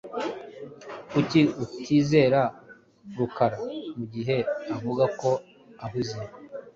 Kuki utizera Rukara mugihe avuga ko ahuze?